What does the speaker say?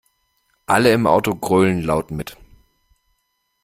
Alle im Auto grölen laut mit.